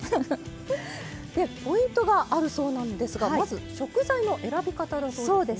でポイントがあるそうなんですがまず食材の選び方だそうですね？